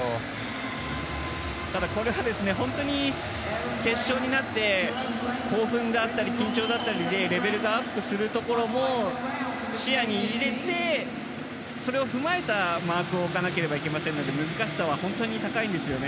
ただこれは、本当に決勝になって興奮だったり緊張だったりでレベルがアップするところも視野に入れてそれを踏まえたマークを置かなければいけませんので難しさは本当に高いんですよね。